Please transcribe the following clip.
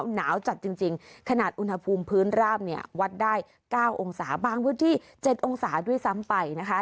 หนาวจัดจริงขนาดอุณหภูมิพื้นราบเนี่ยวัดได้๙องศาบางพื้นที่๗องศาด้วยซ้ำไปนะคะ